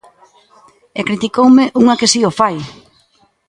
E criticoume unha que si o fai.